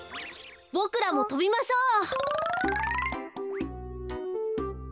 ボクらもとびましょう。